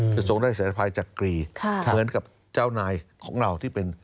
คือทรงได้สายภัยจักรีเหมือนกับเจ้านายของเราที่เป็น